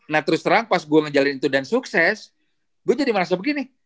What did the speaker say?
nah terus terang pas gue ngejalanin itu dan sukses gue jadi merasa begini